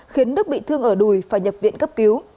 khiến đức bị thương ở đùi phải nhập viện cấp cứu